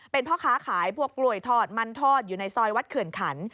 เป็นพ่อค้าขายพวกกล้วยทอดมันทอดอยู่ในซอยวัดเขื่อนขัน